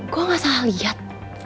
gue nggak salah liat